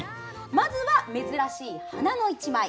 まずは、珍しい花の１枚。